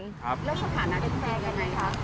แล้วสถานะได้แฟร์กันไหนคะ